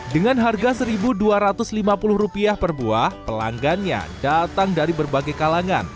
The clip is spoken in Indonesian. dengan harga rp satu dua ratus lima puluh per buah pelanggannya datang dari berbagai kalangan